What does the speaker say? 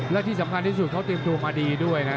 และที่สำคัญที่สุดเขาเตรียมตัวมาดีด้วยนะ